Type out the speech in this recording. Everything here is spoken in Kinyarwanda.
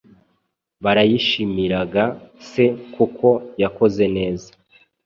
Barayishimiraga se kuko yakoze neza